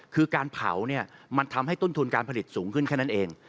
คือการเผาเนี่ยมันทำให้ต้นทุนการผลิตสูงขึ้นแค่นั้นเอง